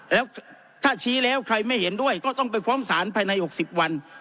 แล้วถ้าชี้แล้วใครไม่เห็นด้วยก็ต้องไปฟ้องศาลภายใน๖๐วัน